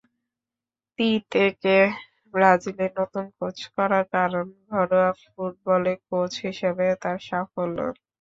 তিতেকে ব্রাজিলের নতুন কোচ করার কারণ ঘরোয়া ফুটবলে কোচ হিসেবে তাঁর সাফল্য।